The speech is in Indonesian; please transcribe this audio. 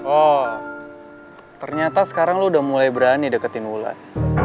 oh ternyata sekarang lo udah mulai berani deketin wulan